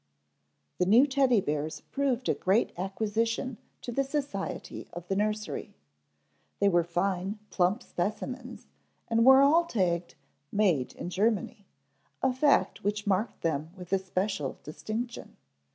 _ THE new Teddy bears proved a great acquisition to the society of the nursery. They were fine, plump specimens, and were all tagged "made in Germany," a fact which marked them with especial distinction.